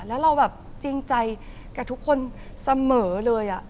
แล้วเราแบบจริงใจกับทุกคนเสมอเลย